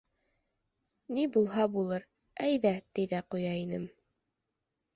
Ни булһа булыр, әйҙә, ти ҙә ҡуя инем.